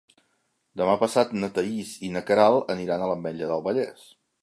Demà passat na Thaís i na Queralt aniran a l'Ametlla del Vallès.